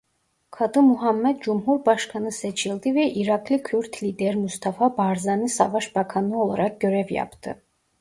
Kadı Muhammed cumhurbaşkanı seçildi ve Iraklı Kürt lider Mustafa Barzani Savaş Bakanı olarak görev yaptı.